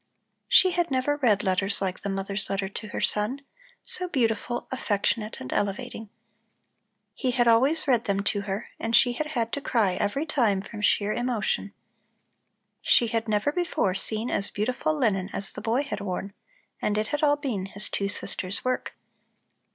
She had never read letters like the mother's letter to her son, so beautiful, affectionate and elevating. He had always read them to her, and she had had to cry every time from sheer emotion. She had never before seen as beautiful linen as the boy had worn, and it had all been his two sisters' work.